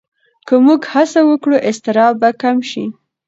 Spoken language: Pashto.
که موږ هڅه وکړو، اضطراب به کم شي.